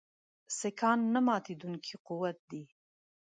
سیکهان نه ماتېدونکی قوت دی.